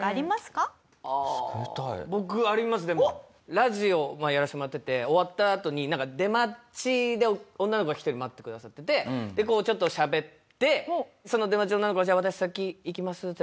ラジオやらせてもらってて終わったあとになんか出待ちで女の子が１人待ってくださっててちょっとしゃべってその出待ちの女の子がじゃあ私先行きますって